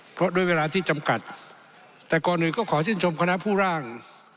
เพราะด้วยเวลาที่จำกัดแต่ก่อนอื่นก็ขอชื่นชมคณะผู้ร่าง